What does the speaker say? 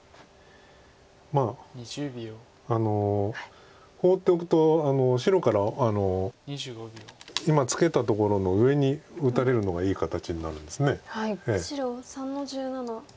まあ放っておくと白から今ツケたところの上に打たれるのがいい形になるんです。